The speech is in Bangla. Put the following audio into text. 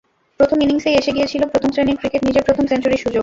প্রথম ইনিংসেই এসে গিয়েছিল প্রথম শ্রেণির ক্রিকেটে নিজের প্রথম সেঞ্চুরির সুযোগ।